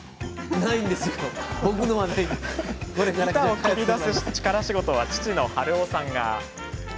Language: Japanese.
板を切り出す力仕事は父、治夫さんが。